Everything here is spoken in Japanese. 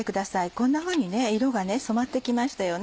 こんなふうに色が染まって来ましたよね。